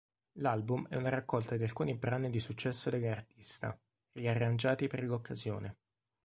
L'album è una raccolta di alcuni brani di successo dell'artista, riarrangiati per l'occasione.